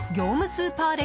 スーパー歴